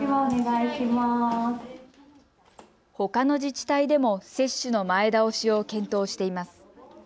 ほかの自治体でも接種の前倒しを検討しています。